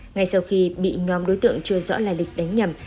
ngay sau khi bị nhóm đối tượng chưa rõ lai lịch đánh nhầm